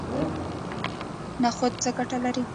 نخود څه ګټه لري؟